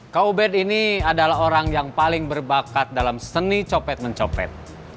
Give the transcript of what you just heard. kaubet ini adalah orang yang paling berbakat dalam seni copet mencopet